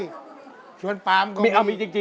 มีสวนปลามก็มี